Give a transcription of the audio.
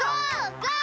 ゴー！